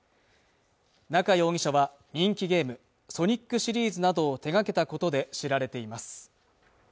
中容疑者は人気ゲームソニックシリーズなどを手がけたことで知られています